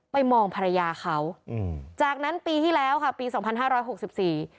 มองภรรยาเขาอืมจากนั้นปีที่แล้วค่ะปีสองพันห้าร้อยหกสิบสี่